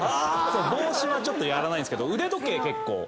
帽子はちょっとやらないんですけど。